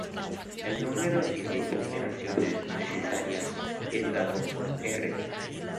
El número de iteraciones necesarias es dado por "r".